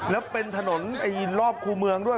แล้วเป็นถนนไอยินรอบคู่เมืองด้วย